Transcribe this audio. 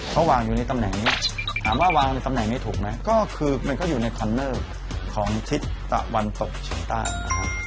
เขาวางอยู่ในตำแหน่งนี้ถามว่าวางในตำแหน่งนี้ถูกไหมก็คือมันก็อยู่ในคอนเนอร์ของทิศตะวันตกเฉียงใต้นะครับ